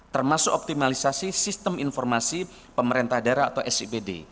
termasuk optimalisasi sistem informasi pemerintah daerah atau sipd